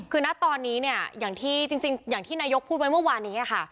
คือณตอนนี้เนี่ยอย่างที่จริงอย่างที่นายกพูดไว้เมื่อวานนี้ค่ะ